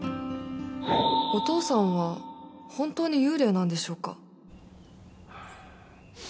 お父さんは本当に幽霊なんでしょうか？